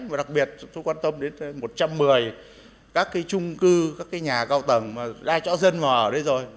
và đặc biệt tôi quan tâm đến một trăm một mươi các cái trung cư các cái nhà cao tầng mà đa chó dân mà ở đây rồi